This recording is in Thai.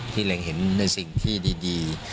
ที่เห็นในสิ่งที่ดี